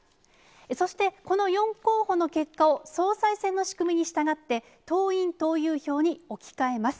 そして、この４候補の結果を、総裁選の仕組みに従って、党員・党友票に置き換えます。